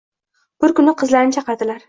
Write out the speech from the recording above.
Bir kuni qizlarini chaqirdilar.